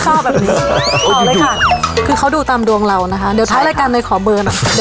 ขอเลยค่ะคือเค้าดูตามดวงเรานะฮะเดี๋ยวท้ายรายการในขอเบิ้ล